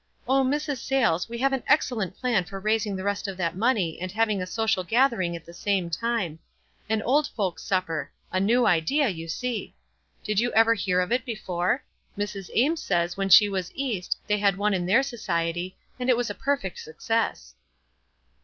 "O Mrs. Sayles, we have an excellent plan for raising the rest of that money and having a social gathering at the same time. An old folks' supper — a new idea, you see. Did you ever hear of it before? Mrs. Ames says when she was East they had one in their society, and it was a perfect success."